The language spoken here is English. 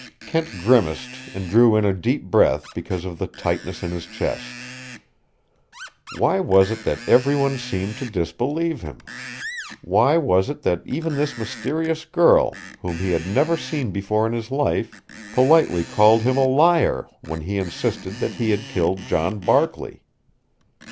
Kent grimaced and drew in a deep breath because of the tightness in his chest. Why was it that every one seemed to disbelieve him? Why was it that even this mysterious girl, whom he had never seen before in his life, politely called him a liar when he insisted that he had killed John Barkley?